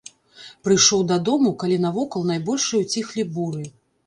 Прыйшоў дадому, калі навокал найбольшыя ўціхлі буры.